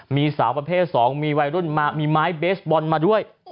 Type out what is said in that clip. มีสาวประเภท๒มีวัยรุ่นมามีไม้เบสบอลมาด้วย